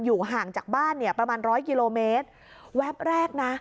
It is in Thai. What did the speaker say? ห่างจากบ้านเนี่ยประมาณร้อยกิโลเมตรแวบแรกนะ